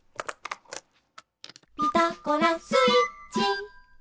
「ピタゴラスイッチ」